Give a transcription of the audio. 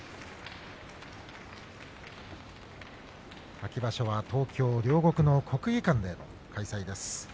秋場所は東京・両国の国技館での開催です。